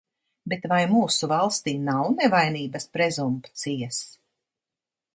Bet vai mūsu valstī nav nevainības prezumpcijas?